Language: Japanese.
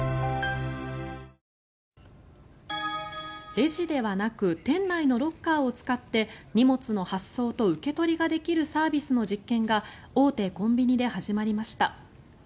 レジではなく店内のロッカーを使って荷物の発送と受け取りができるサービスの実験が大手コンビニで始まりました。